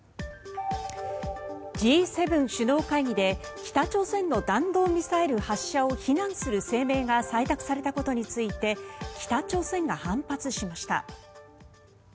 Ｇ７首脳会議で北朝鮮の弾道ミサイル発射を非難する声明が採択されたことについて北朝鮮が反発しました。